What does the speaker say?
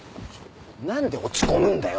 なんで落ち込むんだよ！